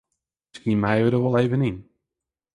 Miskien meie we der wol even yn.